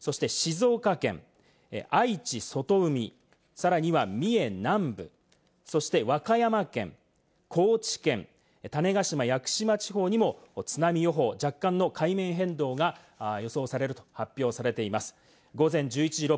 その他、津波予報が発表されているのは、千葉内房、それから小笠原諸島、そして静岡県、愛知外海、さらには三重南部、そして和歌山県、高知県種子島・屋久島地方にも津波予報、若干の海面変動が予想されると発表されています。